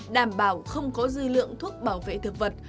đảm bảo không có dư lượng thuốc bảo vệ thực vật